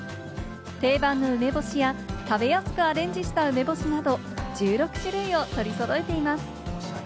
定番の梅干しや、食べやすくアレンジした梅干しなど、１６種類を取り揃えています。